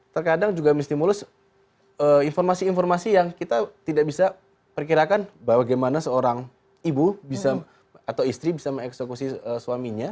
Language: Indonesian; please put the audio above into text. terkadang juga menstimulus informasi informasi yang kita tidak bisa perkirakan bahwa bagaimana seorang ibu bisa atau istri bisa mengeksekusi suaminya